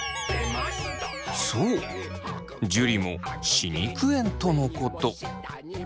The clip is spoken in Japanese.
そう樹も歯肉炎とのこと。